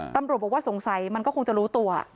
ตำรวจบอกว่าสงสัยมันก็คงจะรู้ตัว